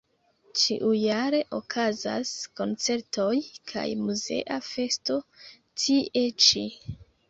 Ĉiujare okazas koncertoj kaj muzea festo tie ĉi.